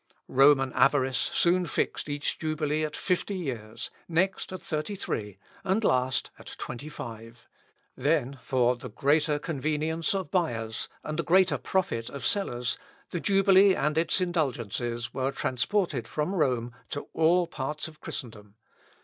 Roman avarice soon fixed each jubilee at fifty years, next at thirty three, and at last at twenty five. Then for the greater convenience of buyers, and the greater profit of sellers, the jubilee and its indulgences were transported from Rome to all parts of Christendom.